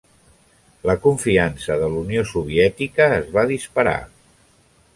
La confiança de l'Unió Soviètica es va disparar.